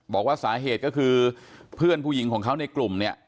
บอกว่าสาเหตุก็คือเพื่อนผู้หญิงของเขาในกลุ่มเนี่ย